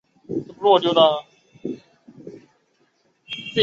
肝炎是描述肝脏发炎的现象。